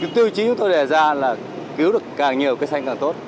tiêu chí của tôi đề ra là cứu được càng nhiều cây xanh càng tốt